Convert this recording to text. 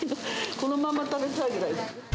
このまま食べたいぐらい。